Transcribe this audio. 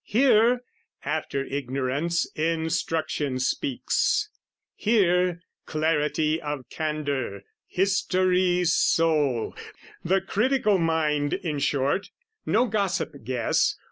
Here, after ignorance, instruction speaks; Here, clarity of candour, history's soul, The critical mind, in short; no gossip guess.